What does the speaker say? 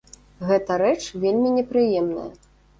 Гэта рэч вельмі непрыемная.